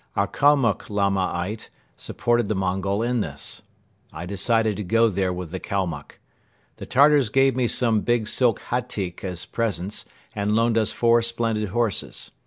Our Kalmuck Lamaite supported the Mongol in this. I decided to go there with the Kalmuck. The Tartars gave me some big silk hatyk as presents and loaned us four splendid horses.